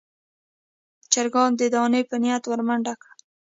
چرګانو د دانې په نيت ور منډه کړه.